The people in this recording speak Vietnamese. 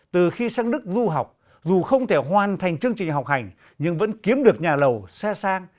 từ khi sang đức du học dù không thể hoàn thành chương trình học hành nhưng vẫn kiếm được nhà lầu xe sang